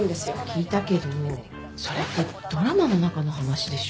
聞いたけどそれってドラマの中の話でしょ？